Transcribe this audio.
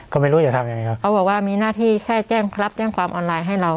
เค้าบอกว่ามีหน้าที่แช่แจ้งคำข้ออนไลน์ให้เรา